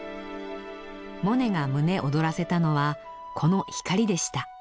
モネが胸躍らせたのはこの光でした。